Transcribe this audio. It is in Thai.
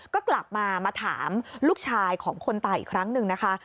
ก็กลับมามาถามลูกชายของคนตายอีกครั้งหนึ่งนะคะ